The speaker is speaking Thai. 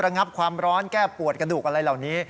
งับความร้อนแก้ปวดกระดูกอะไรเหล่านี้